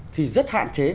thì rất hạn chế